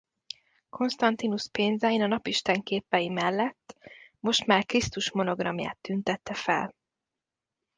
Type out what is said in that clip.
Constantinus pénzein a napisten képei mellett most már Krisztus monogramját tüntette fel.